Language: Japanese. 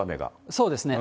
そうですね。